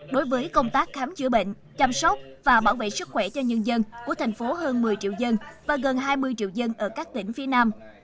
đối với công tác khám chữa bệnh chăm sóc và bảo vệ sức khỏe cho nhân dân của thành phố hơn một mươi triệu dân và gần hai mươi triệu dân ở các tỉnh phía nam